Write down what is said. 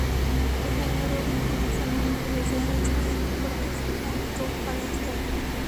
El jugador incluso sonó en la Universidad de Chile y en Deportes Antofagasta.